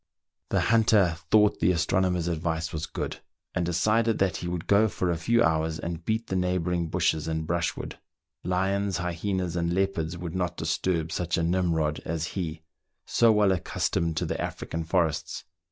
The hunter thought the astronomer's advice was good, and decided that he would go for a few hours and beat the neighbouring bushes and brushwood. Lions, hyenas, and leopards would not disturb such a Nimrod as he, so well accustomed to the African forests.